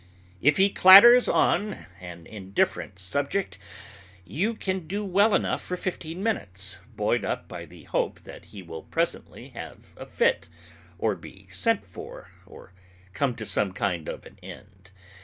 If he clatters on an indifferent subject, you can do well enough for fifteen minutes, buoyed up by the hope that he will presently have a fit, or be sent for, or come to some kind of an end.